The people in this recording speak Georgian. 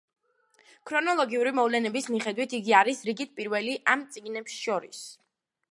ქრონოლოგიური მოვლენების მიხედვით იგი არის რიგით პირველი ამ წიგნებს შორის.